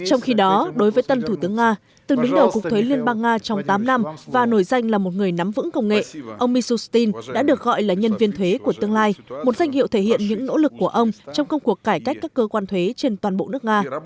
trong khi đó đối với tân thủ tướng nga từng đứng đầu cục thuế liên bang nga trong tám năm và nổi danh là một người nắm vững công nghệ ông misustin đã được gọi là nhân viên thuế của tương lai một danh hiệu thể hiện những nỗ lực của ông trong công cuộc cải cách các cơ quan thuế trên toàn bộ nước nga